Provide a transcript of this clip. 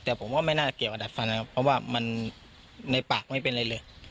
แต่ผมว่าไม่น่าจะเกี่ยวกับดัดฟันนะครับเพราะว่ามันในปากไม่เป็นอะไรเลย